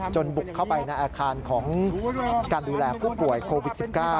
บุกเข้าไปในอาคารของการดูแลผู้ป่วยโควิด๑๙